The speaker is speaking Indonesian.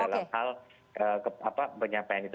dalam hal penyampaian itu